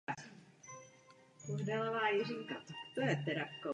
Také je obtížné sehnat úvěr.